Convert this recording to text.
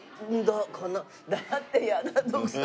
だって嫌だ徳さん。